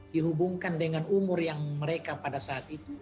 dihubungkan dengan umur yang mereka pada saat itu